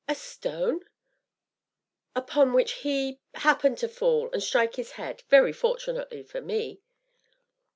"A stone?" "Upon which he happened to fall, and strike his head very fortunately for me."